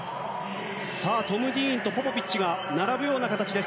トム・ディーンとポポビッチが並ぶような形。